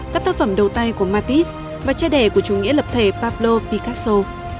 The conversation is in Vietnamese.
các tác phẩm đầu tay của matisse và che đẻ của chủ nghĩa lập thể pablo picasso